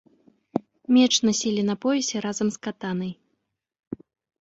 Меч насілі на поясе разам з катанай.